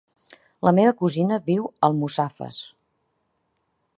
La meva cosina viu a Almussafes.